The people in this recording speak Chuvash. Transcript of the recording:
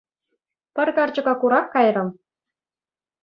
Пӗр карчӑка курах кайрӑм.